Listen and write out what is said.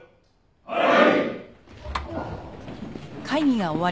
はい！